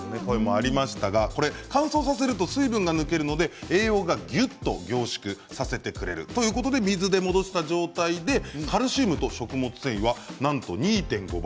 乾燥させると水分が抜けるので栄養がぎゅっと凝縮させてくれるということで水で戻した状態でカルシウムと食物繊維はなんと２．５倍。